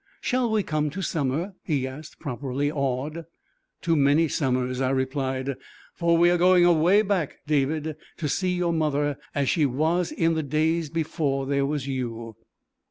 "Shall we come to summer?" he asked, properly awed. "To many summers," I replied, "for we are going away back, David, to see your mother as she was in the days before there was you."